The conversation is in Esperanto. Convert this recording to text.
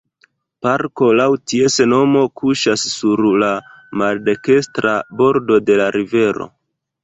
Parko laŭ ties nomo kuŝas sur la maldekstra bordo de la rivero.